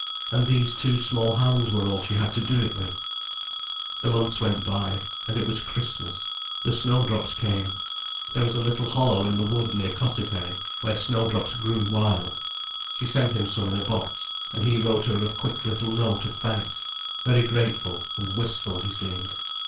And these two small hands were all she had to do it with. The months went by, and it was Christmas—the snowdrops came. There was a little hollow in the wood near Cossethay, where snowdrops grew wild. She sent him some in a box, and he wrote her a quick little note of thanks—very grateful and wistful he seemed.